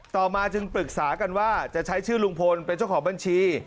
ต่อมาจึงปรึกษากันว่าจะใช้ชื่อลุงพลเป็นเจ้าของบัญชี